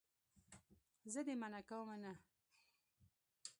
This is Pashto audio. زه دې منع کومه نه.